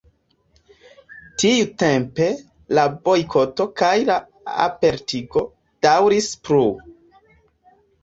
Tiutempe la bojkoto kaj la apartigo daŭris plu.